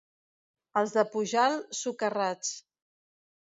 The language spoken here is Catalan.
Els del Pujal, socarrats.